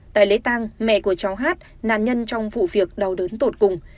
tại lễ tăng mẹ của cháu hát nạn nhân trong vụ việc đau đớn tột cùng